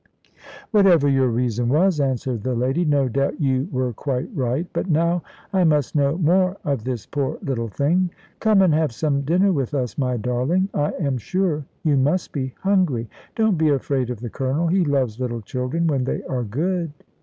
"Whatever your reason was," answered the lady, "no doubt you were quite right; but now I must know more of this poor little thing. Come and have some dinner with us, my darling; I am sure you must be hungry. Don't be afraid of the Colonel. He loves little children when they are good."